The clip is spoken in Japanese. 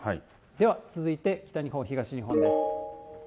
では、続いて、北日本、東日本です。